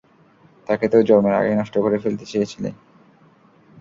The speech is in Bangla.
তাকে তো জন্মের আগেই নষ্ট করে ফেলতে চেয়ছিলে।